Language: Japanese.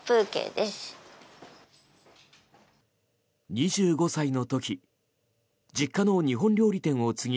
２５歳の時実家の日本料理店を継ぎ